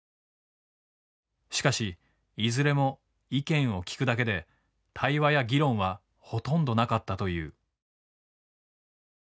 しかしいずれも意見を聞くだけで対話や議論はほとんどなかったという。